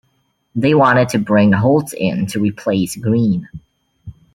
They wanted to bring Holtz in to replace Green.